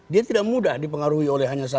dia tidak mudah dipengaruhi oleh hal ini ya